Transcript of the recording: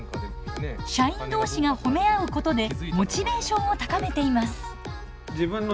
社員同士が褒め合うことでモチベーションを高めています。